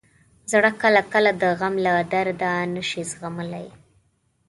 زړه کله کله د غم له درده نه شي زغملی.